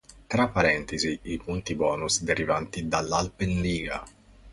Tra parentesi i punti di bonus derivanti dall'Alpenliga.